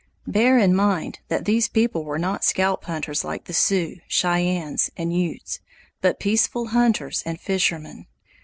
Bear in mind that these people were not scalp hunters like the Sioux, Cheyennes, and Utes, but peaceful hunters and fishermen.